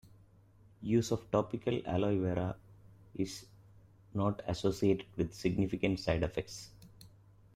Use of topical aloe vera is not associated with significant side effects.